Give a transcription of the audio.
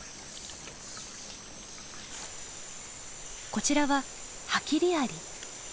こちらはハキリアリ。